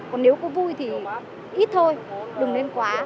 còn nếu cứ vui thì ít thôi đừng lên quá